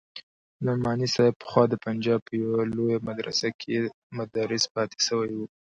نعماني صاحب پخوا د پنجاب په يوه لويه مدرسه کښې مدرس پاته سوى و.